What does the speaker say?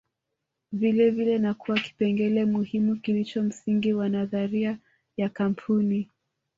vilevile na kuwa kipengele muhimu kilicho msingi wa nadharia ya kampuni